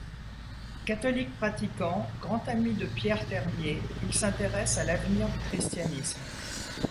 Catholique pratiquant, grand ami de Pierre Termier, il s'intéresse à l'avenir du christianisme.